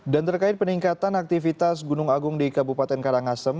dan terkait peningkatan aktivitas gunung agung di kabupaten karangasem